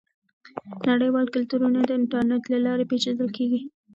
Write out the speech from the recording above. نړیوال کلتورونه د انټرنیټ له لارې پیژندل کیږي.